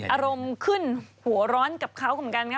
อารมณ์ขึ้นหัวร้อนกับเขากัน